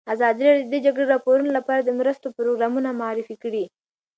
ازادي راډیو د د جګړې راپورونه لپاره د مرستو پروګرامونه معرفي کړي.